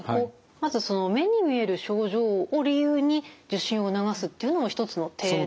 まず目に見える症状を理由に受診を促すというのも一つの手では。